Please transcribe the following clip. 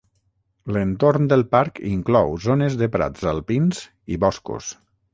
L'entorn del parc inclou zones de prats alpins i boscos.